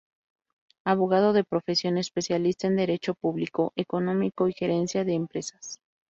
Abogado de profesión, especialista en derecho público, económico y gerencia de empresas.